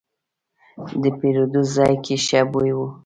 د پیرود ځای کې ښه بوی و.